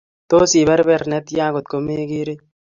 Tos, iberber netyaa kotkomegerei?